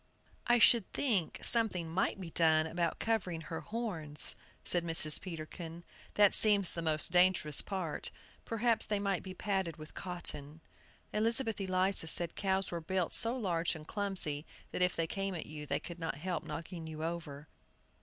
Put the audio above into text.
"I should think something might be done about covering her horns," said Mrs. Peterkin; "that seems the most dangerous part. Perhaps they might be padded with cotton." Elizabeth Eliza said cows were built so large and clumsy, that if they came at you they could not help knocking you over.